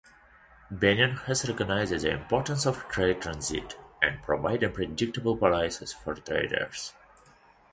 Benin has recognized the importance of trade transit and providing predictable policies for traders.